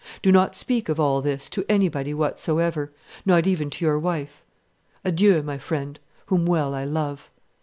Do not speak of all this to anybody whatsoever, not even to your wife. Adieu, my friend, whom well I love."